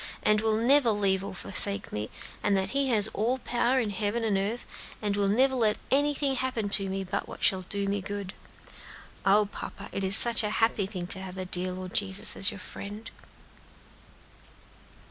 _ and will never leave nor forsake me; and that He has all power in heaven and in earth, and will never let anything happen to me but what shall do me good. O papa, it is such a happy thing to have the dear Lord Jesus for your friend!"